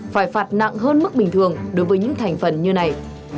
phải phạt nặng hơn mức bình thường đối với những thành phần như này